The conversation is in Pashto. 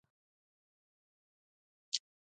طرح او تطبیق هم په عناصرو کې دي.